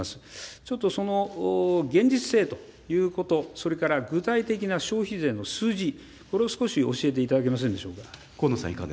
ちょっとその現実性ということ、それから具体的な消費税の数字、これを少し教えていただけませんでしょうか。